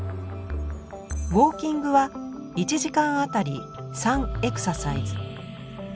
ウォーキングは１時間あたり３エクササイズ。